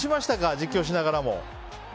実況しながらも。